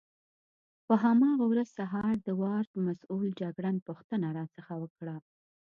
په هماغه ورځ سهار د وارډ مسؤل جګړن پوښتنه راڅخه وکړه.